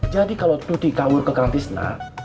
jadi kalau tuti kabur ke kang tisnak